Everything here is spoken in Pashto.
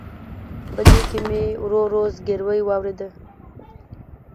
په دې کې مې ورو ورو زګیروي واورېد.